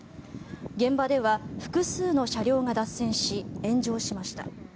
現場では複数の車両が脱線し炎上しました。